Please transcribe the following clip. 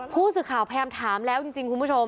ผู้สื่อข่าวพยายามถามแล้วจริงคุณผู้ชม